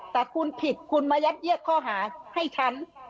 แต่คุณผิดคุณมายัดเยียดข้อหาให้ฉัน